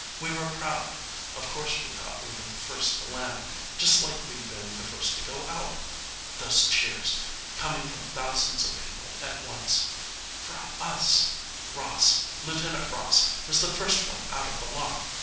We were proud. Of course, we thought we were the first to land, just like we'd been the first to go out. Those cheers, coming from thousands of people at once. For us. Ross Lt. Ross was the first one out of the lock.